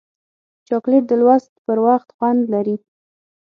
چاکلېټ د لوست پر وخت خوند لري.